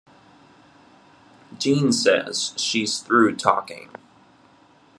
Jean says she's through talking.